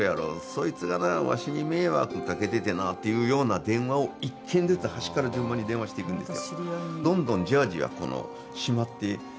そいつがなわしに迷惑かけててな」っていうような電話を１件ずつ端から順番に電話していくんですよ。